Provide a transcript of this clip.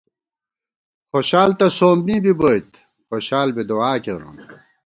خوشال تہ سومّی بِبوئیت ، خوشال بی دُعا کېرون